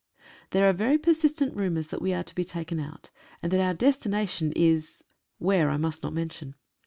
There are very persistent rumours that we are to be taken out, and that our destination is — where, I must not mention.